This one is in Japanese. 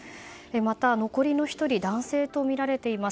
また、残りの１人男性とみられています。